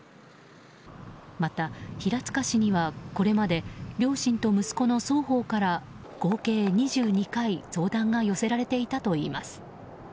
また平塚市にはこれまで両親と息子の双方から合計２２回、相談が寄せられていたといいます。